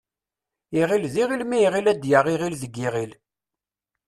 Iɣil d iɣil mi iɣil ad yaɣ iɣil deg yiɣil.